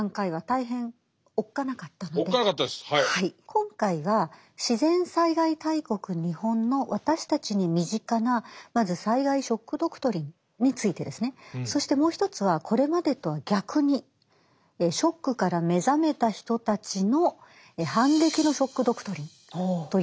今回は自然災害大国日本の私たちに身近なまず災害ショック・ドクトリンについてですね。そしてもう一つはこれまでとは逆にショックから目覚めた人たちの反撃のショック・ドクトリンというのをご紹介したいと思います。